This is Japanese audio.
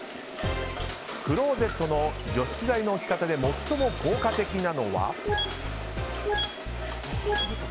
クローゼットの除湿剤の置き方で最も効果的なのは？